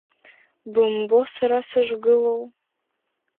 Бымбо сара сышгылоу.